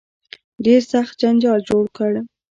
ډېر سخت جنجال جوړ کړ.